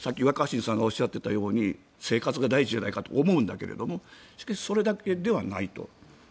若新さんがおっしゃっていたように生活が大事じゃないかと思うんですがしかし、それだけではないと。